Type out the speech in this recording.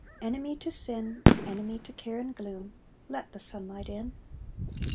Enemy to sin, Enemy to care and gloom Let the sunlight in!